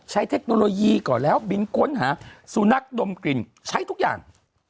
เทคโนโลยีก่อนแล้วบินค้นหาสุนัขดมกลิ่นใช้ทุกอย่าง